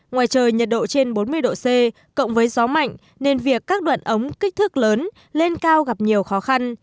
ngoài trời nhiệt độ trên bốn mươi độ c cộng với gió mạnh nên việc các đoạn ống kích thước lớn lên cao gặp nhiều khó khăn